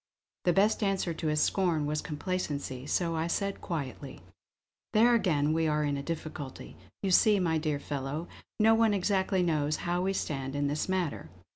The best answer to his scorn was complacency; so I said quietly: "There again we are in a difficulty. You see, my dear fellow, no one exactly knows how we stand in this matter.